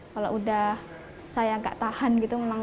kalau sudah saya tidaklah lebih tahan